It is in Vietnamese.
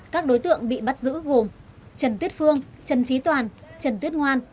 các đối tượng bị bắt giữ gồm trần tuyết phương trần trí toàn trần tuyết ngoan